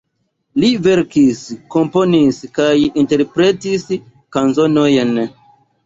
Li verkis, komponis kaj interpretis kanzonojn.